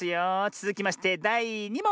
つづきましてだい２もん！